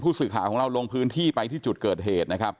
สื่อข่าวของเราลงพื้นที่ไปที่จุดเกิดเหตุนะครับ